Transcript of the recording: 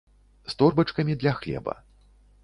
З торбачкамі для хлеба.